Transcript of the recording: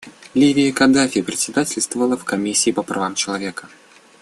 Ливия Каддафи председательствовала в Комиссии по правам человека.